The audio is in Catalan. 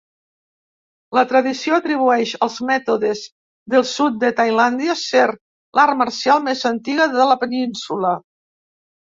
La tradició atribueix als mètodes del sud de Tailàndia ser l'art marcial més antiga de la península.